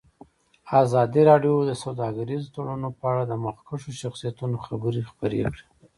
ازادي راډیو د سوداګریز تړونونه په اړه د مخکښو شخصیتونو خبرې خپرې کړي.